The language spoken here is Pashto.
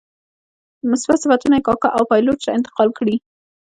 مثبت صفتونه یې کاکه او پایلوچ ته انتقال کړي.